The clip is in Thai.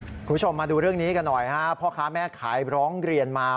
คุณผู้ชมมาดูเรื่องนี้กันหน่อยฮะพ่อค้าแม่ขายร้องเรียนมา